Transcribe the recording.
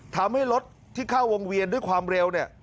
ทำให้รถที่เข้าวงเวียนด้วยความเร็วเนี่ย